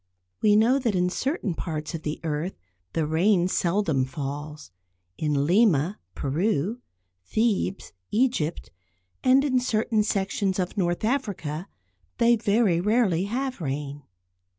We know that in certain parts of the earth the rain seldom falls. In Lima (Peru), Thebes (Egypt), and in certain sections of North Africa they very rarely have rain.